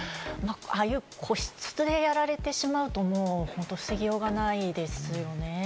ああいう個室でやられてしまうと、もう本当、防ぎようがないですよね。